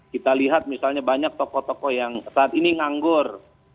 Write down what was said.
kita lihat misalnya banyak tokoh tokoh yang saat ini nganggur